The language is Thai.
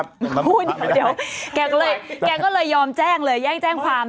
พูดหยอดยอดแกก็เลยยอมแจ้งแล้วย่างแจ้งความ